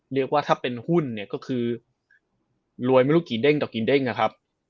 เรียกว่าถ้าเป็นหุ้นเนี่ยก็คือรวยไม่รู้กี่เด้งต่อกี่เด้งนะครับ